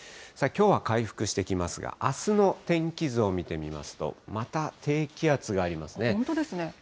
きょうは回復してきますが、あすの天気図を見てみますと、また低気圧がありますね。